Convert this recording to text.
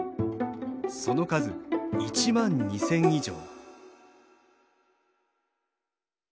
その数１万２，０００以上。